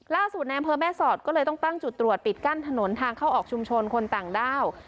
ในอำเภอแม่สอดก็เลยต้องตั้งจุดตรวจปิดกั้นถนนทางเข้าออกชุมชนคนต่างด้าว